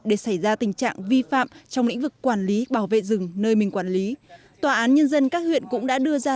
để xảy ra tình trạng vi phạm trong lĩnh vực quản lý bảo vệ rừng nơi mình quản lý tòa án nhân dân các huyện cũng đã đưa ra